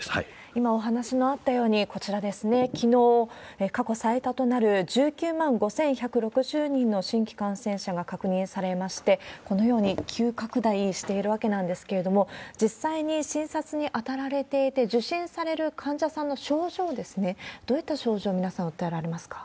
今お話のあったように、こちらですね、きのう、過去最多となる、１９万５１６０人の新規感染者が確認されまして、このように急拡大しているわけなんですけれども、実際に診察に当たられていて、受診される患者さんの症状ですね、どういった症状を皆さん訴えられますか？